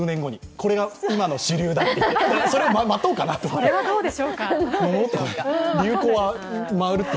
これが今の主流だって、それを待とうかなと思って。